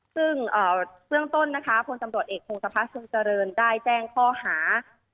ซึ่งเรื่องต้นนะคะผลจำรวจเอกภูมิภาพศึงเจริญได้แจ้งข้อหา